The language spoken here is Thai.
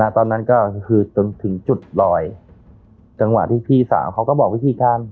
ตอนนั้นก็คือจนถึงจุดลอยจังหวะที่พี่สาวเขาก็บอกวิธีการ